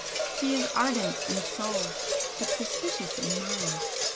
She is ardent in soul, but suspicious in mind!